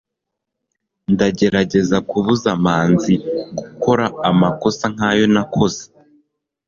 ndagerageza kubuza manzi gukora amakosa nkayo nakoze